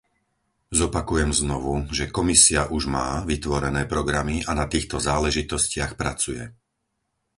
Zopakujem znovu, že Komisia už má vytvorené programy a na týchto záležitostiach pracuje.